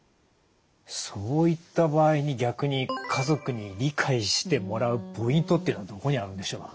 そういった場合に逆に家族に理解してもらうポイントっていうのはどこにあるんでしょう？